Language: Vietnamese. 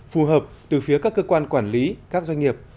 phù hợp từ phía các cơ quan quản lý các doanh nghiệp